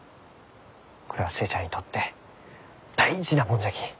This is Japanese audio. これは寿恵ちゃんにとって大事なもんじゃき。